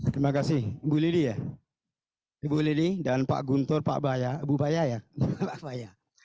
terima kasih ibu lili ya ibu lili dan pak guntur pak baya ibu baya ya pak baya